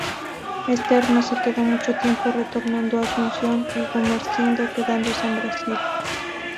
Ester no se quedó mucho tiempo retornando a Asunción y Gumersindo quedándose en Brasil.